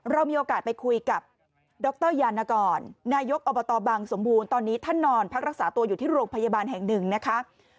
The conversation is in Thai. เรามีโอกาสไปคุยกับดรยานกรนายกอบตบังสมบูรณ์ตอนนี้ท่านนอนพักรักษาตัวอยู่ที่โรงพยาบาลแห่งหนึ่งนะคะ